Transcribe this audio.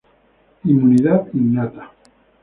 Inmunidad Innata.